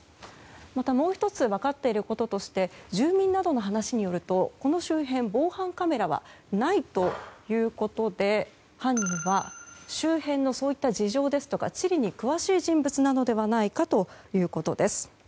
また、もう１つ分かっていることとして住民などの話によると、この周辺防犯カメラはないということで犯人は周辺のそういった事情ですとか地理に詳しい人物なのではないかということです。